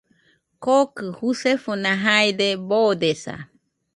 Kokɨ jusefona jaide boodesa.